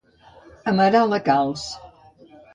Amarar la calç.